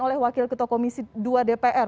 oleh wakil ketua komisi dua dpr